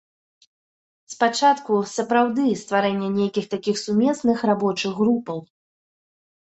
Спачатку, сапраўды, стварэнне нейкіх такіх сумесных рабочых групаў.